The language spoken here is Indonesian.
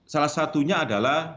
salah satunya adalah